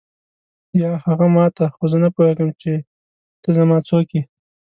یا هغه ما ته خو زه نه پوهېږم چې ته زما څوک یې.